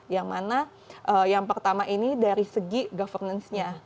yang mana yang pertama ini dari segi governance nya